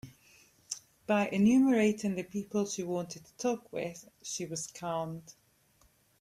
By enumerating the people she wanted to talk with, she was calmed.